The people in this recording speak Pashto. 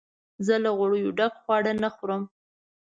زه له غوړیو ډک خواړه نه خورم.